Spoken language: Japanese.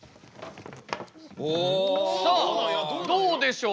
さあどうでしょう。